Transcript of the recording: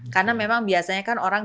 karena memang biasanya kan orang